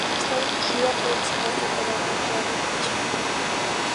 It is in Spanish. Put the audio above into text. Está dirigida por el cineasta italiano Gianni Puccini.